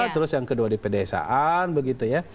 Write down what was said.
terus yang kedua di pedesaan begitu ya